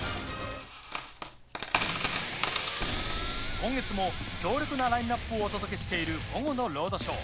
今月も強力なラインアップをお届けしている『午後のロードショー』。